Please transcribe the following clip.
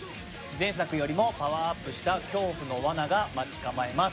前作よりもパワーアップした恐怖のわなが待ち構えます。